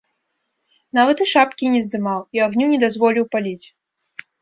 Нават і шапкі не здымаў і агню не дазволіў паліць.